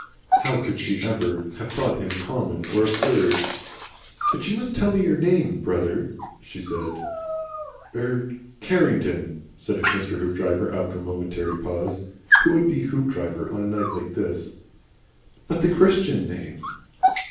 How could she ever have thought him common or absurd? "But you must tell me your name brother," she said, "Er Carrington," said Mr. Hoopdriver, after a momentary pause. Who would be Hoopdriver on a night like this? "But the Christian name?"